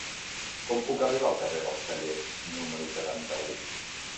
Com puc arribar al carrer dels Tallers número setanta-u?